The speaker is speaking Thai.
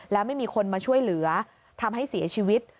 แล้วไม่มีคนมาช่วยเหลือทำให้เสียชีวิต